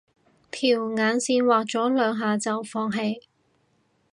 條眼線畫咗兩下就放棄